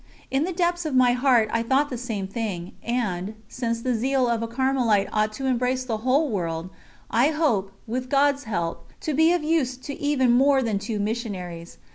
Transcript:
In the depths of my heart I thought the same thing, and, since the zeal of a Carmelite ought to embrace the whole world, I hope, with God's help, to be of use to even more than two missionaries.